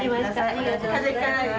ありがとうございます。